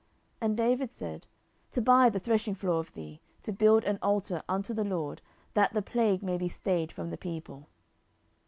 And David said, To buy the threshingfloor of thee, to build an altar unto the LORD, that the plague may be stayed from the people.